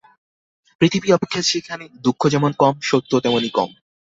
পৃথিবী অপেক্ষা সেখানে দুঃখ যেমন কম, সত্যও তেমনি কম।